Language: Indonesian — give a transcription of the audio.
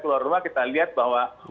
keluar rumah kita lihat bahwa